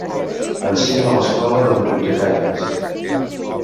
Arxiu de l'Escola de Bibliotecàries.